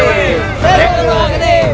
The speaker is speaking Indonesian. hei hidup beragami